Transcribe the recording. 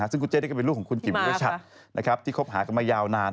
ซึ่งคุณเจ็ตก็เป็นลูกของคุณคิมบริษัทที่คบหากันมายาวนาน